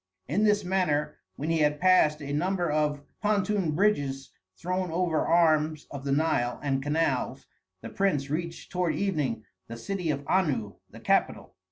In this manner when he had passed a number of pontoon bridges thrown over arms of the Nile and canals, the prince reached toward evening the city of Anu, the capital.